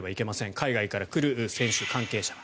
海外から来る選手、関係者は。